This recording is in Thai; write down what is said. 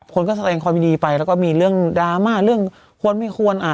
คนก็แสดงความยินดีไปแล้วก็มีเรื่องดราม่าเรื่องควรไม่ควรอ่า